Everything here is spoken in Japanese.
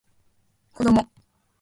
こども